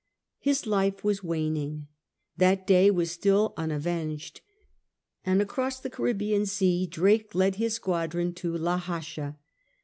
His life was waning: that day was still un avenged ; and across the Caribbean Sea Drake led his squadron to La Hacha.